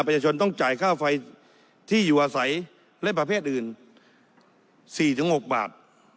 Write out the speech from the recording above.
ประชาชนต้องจ่ายค่าไฟที่อยู่อาศัยและประเภทอื่น๔๖บาท